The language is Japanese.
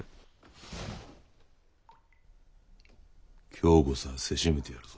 今日こそはせしめてやるぞ。